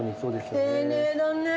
丁寧だね。